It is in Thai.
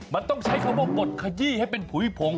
มันต้องใช้คำว่าบดขยี้ให้เป็นผุยผง